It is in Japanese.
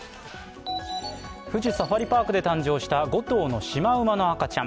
富士サファリパークで誕生した５頭のしまうまの赤ちゃん。